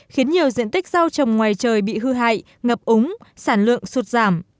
khiến nhiều diện tích rau trồng ngoài trời bị hư hại ngập úng sản lượng sụt giảm